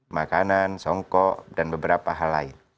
makanan songkok dan beberapa hal lain